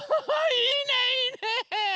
いいねいいね！